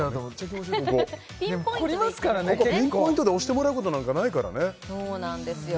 結構ここピンポイントで押してもらうことなんかないからねそうなんですよ